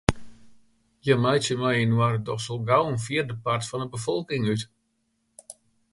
Hja meitsje mei-inoar dochs al gau in fjirdepart fan 'e befolking út.